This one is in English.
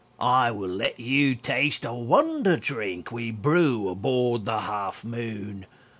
I will let you taste A wonder drink we brew aboard the Half Moon.